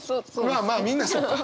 まあまあみんなそうか。